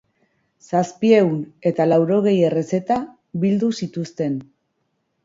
Zazpiehun eta laurogei errezeta bildu zituzten.